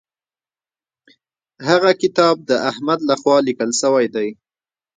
هغه کتاب د احمد لخوا لیکل سوی دی.